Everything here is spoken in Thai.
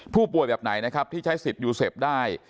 ผู้ป่วยแบบไหนนะครับที่ใช้สิทธิ์ยูเซฟได้